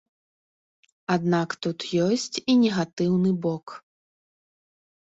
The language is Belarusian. Аднак тут ёсць і негатыўны бок.